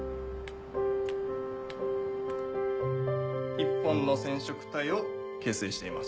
１本の染色体を形成しています。